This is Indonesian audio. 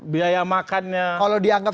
biaya makannya kalau dianggap